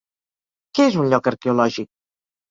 Què és un lloc arqueològic?